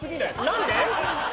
何で？